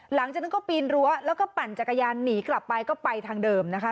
หลังจากนั้นก็ปีนรั้วแล้วก็ปั่นจักรยานหนีกลับไปก็ไปทางเดิมนะคะ